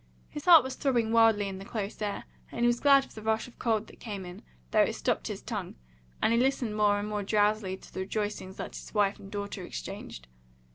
His heart was throbbing wildly in the close air, and he was glad of the rush of cold that came in, though it stopped his tongue, and he listened more and more drowsily to the rejoicings that his wife and daughter exchanged.